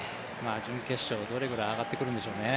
準決勝、どのくらい上がってくるんでしょうね。